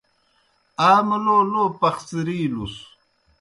آ مُلو لو پَخڅِرِیلُس۔